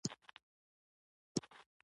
هغه په رمې کې پټ شو او پسونه یې خوړل.